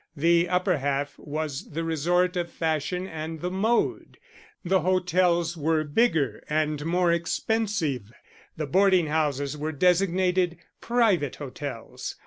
The upper half was the resort of fashion and the mode: the hotels were bigger and more expensive; the boarding houses were designated private hotels.